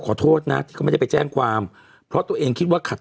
ขอบคุณนะครับขอบคุณนะครับขอบคุณนะครับ